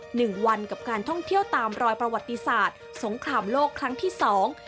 หนึ่งวันกับการท่องเที่ยวตามรอยประวัติศาสตร์สงครามโลกครั้งที่สอง